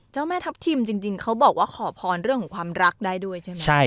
แม่ทัพทิมจริงเขาบอกว่าขอพรเรื่องของความรักได้ด้วยใช่ไหม